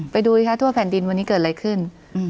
ดูสิคะทั่วแผ่นดินวันนี้เกิดอะไรขึ้น